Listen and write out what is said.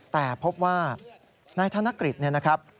แต่พบว่านายธนกฤษเนี่ยนะครับ